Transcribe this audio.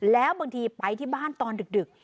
แล้วบางทีไปที่บ้านตอนดึก